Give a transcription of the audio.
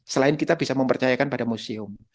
selain kita bisa mempercayakan pada museum